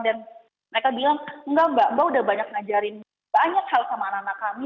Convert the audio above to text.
dan mereka bilang enggak mbak mbak udah banyak menajarin banyak hal sama anak anak kami